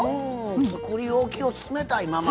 つくりおきを冷たいまま。